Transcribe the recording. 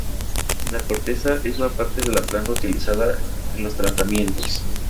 La corteza es la parte de la planta utilizada en los tratamientos.